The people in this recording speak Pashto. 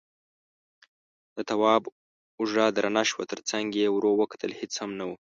د تواب اوږه درنه شوه، تر څنګ يې ور وکتل، هېڅ هم نه و.